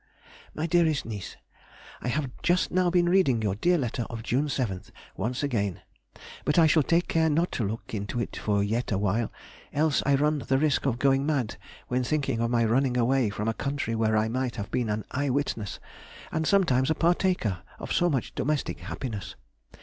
MY DEAREST NIECE,— I have just now been reading your dear letter of June 7th once again, but I shall take care not to look into it for yet a while, else I run the risk of going mad when thinking of my running away from a country where I might have been an eye witness, and sometimes a partaker, of so much domestic happiness.